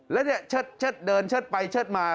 แล้วเนี่ยเชิดเดินเชิดไปเชิดมา